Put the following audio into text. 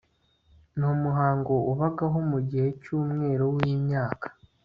ni umuhango wabagaho mu gihe cy'umwero w'imyaka